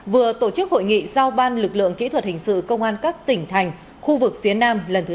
vừa tổ chức hội nghị giao ban lực lượng kỹ thuật hình sự công an các tỉnh thành khu vực phía nam lần thứ hai mươi một